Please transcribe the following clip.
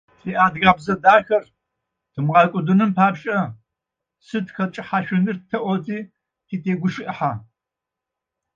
Ти адыгабзэ дахэр тымыгъэкӏодыным папшӏэ сыд хэтшӏыхьэшъуныр тэӏоти титэгущыӏыхьэ.